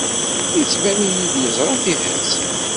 Yettban-iyi-d yeẓra tidet.